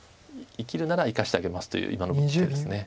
生きるなら生かしてあげますという今の手です。